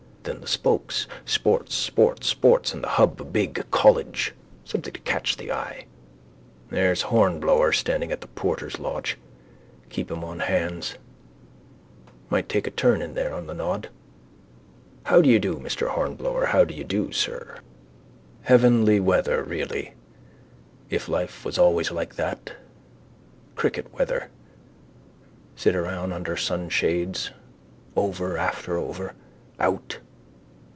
Then the spokes: sports, sports, sports: and the hub big: college. Something to catch the eye. There's Hornblower standing at the porter's lodge. Keep him on hands: might take a turn in there on the nod. How do you do, Mr Hornblower? How do you do, sir? Heavenly weather really. If life was always like that. Cricket weather. Sit around under sunshades. Over after over. Out.